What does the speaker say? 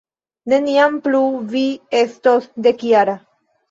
Neniam plu vi estos dekjara.